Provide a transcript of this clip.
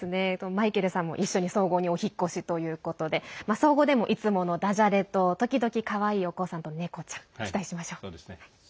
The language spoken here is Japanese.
マイケルさんも一緒に総合にお引っ越しということで総合でも、いつものだじゃれと時々かわいい、お子さんとネコちゃん、期待しましょう。